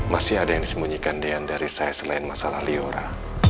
masih ada yang disembunyikan dengan dari saya selain masalah liora